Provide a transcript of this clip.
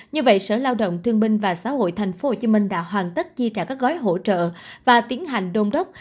như vậy sở lao động thương minh và xã hội tp hcm đã hoàn tất chi trả các gói hỗ trợ và tiến hành đôn đốc